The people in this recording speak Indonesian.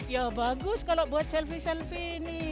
ya bagus kalau buat selfie selfie ini